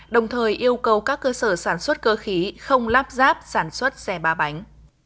đồng thời yêu cầu các cơ sở sản xuất cơ khí không lắp ráp sản xuất xe ba bánh